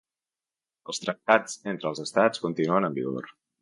Els tractats entre els estats continuen en vigor.